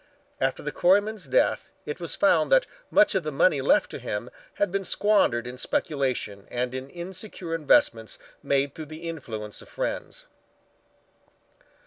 After the quarryman's death it was found that much of the money left to him had been squandered in speculation and in insecure investments made through the influence of friends.